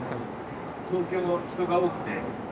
東京は人が多くて。